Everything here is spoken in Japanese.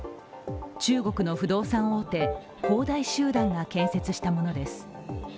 中国の不動産大手・恒大集団が建設したものです。